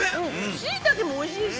シイタケもおいしいし。